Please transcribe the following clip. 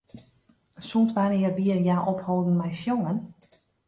Sûnt wannear wie hja opholden mei sjongen?